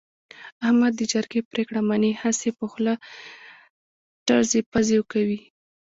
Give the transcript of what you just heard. احمد د جرگې پرېکړه مني، هسې په خوله ټزې پزې کوي.